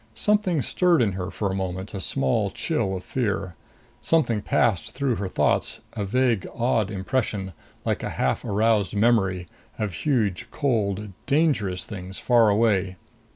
Something stirred in her for a moment, a small chill of fear. Something passed through her thoughts, a vague odd impression, like a half aroused memory, of huge, cold, dangerous things far away.